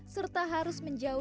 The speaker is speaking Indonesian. serta harus menjauhi rancangan